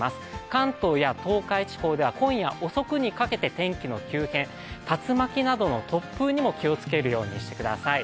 関東や東海地方では今夜遅くにかけて天気の急変、竜巻などの突風にも気をつけるようにしてください。